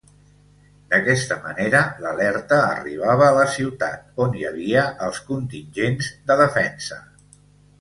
D'aquesta manera l'alerta arribava a la ciutat, on hi havia els contingents de defensa.